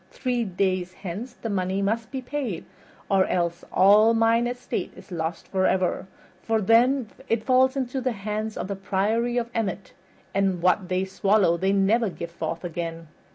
Three days hence the money must be paid or else all mine estate is lost forever, for then it falls into the hands of the Priory of Emmet, and what they swallow they never give forth again."